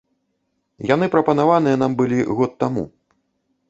Яны прапанаваныя нам былі год таму.